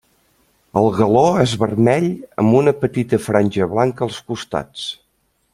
El galó és vermell amb una petita franja blanca als costats.